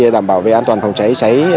đảm bảo an toàn phòng cháy cháy